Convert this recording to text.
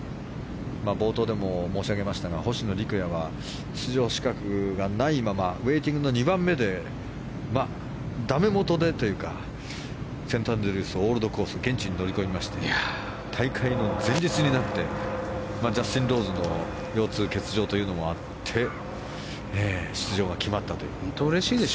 冒頭でも申し上げましたが星野陸也は出場資格がないままウェイティングの２番目でダメ元でというかセントアンドリュースオールドコース現地に乗り込みまして大会の前日になってジャスティン・ローズの腰痛での欠場というのもあって出場が決まったという。